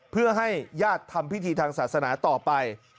เพื่อให้ญาติทำพิธีทางศาสนาต่อไป